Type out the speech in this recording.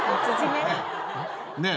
ねえ。